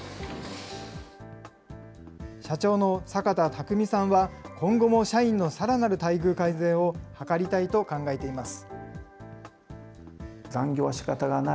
社長の坂田匠さんは、今後も社員のさらなる待遇改善を図りたいと考えています。